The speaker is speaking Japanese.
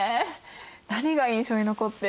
何が印象に残ってる？